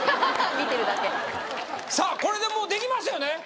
見てるだけさあこれでもうできますよね？